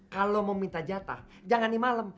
kalau mau minta jatah jangan ini malam